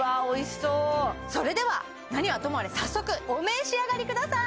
そうそれでは何はともあれ早速お召し上がりください